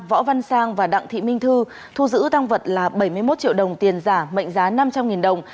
võ văn sang và đặng thị minh thư thu giữ tăng vật là bảy mươi một triệu đồng tiền giả mệnh giá năm trăm linh đồng